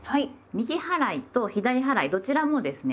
右払いと左払いどちらもですね